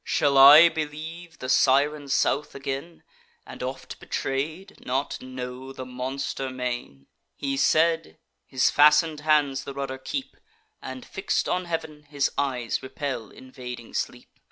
Shall I believe the Siren South again, And, oft betray'd, not know the monster main?" He said: his fasten'd hands the rudder keep, And, fix'd on heav'n, his eyes repel invading sleep.